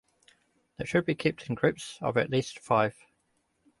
They should be kept in groups of at least five.